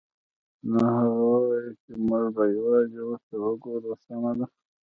نو هغه وویل چې موږ به یوازې ورته وګورو سمه ده